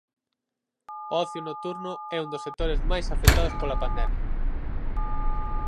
O ocio nocturno é un dos sectores máis afectados pola pandemia.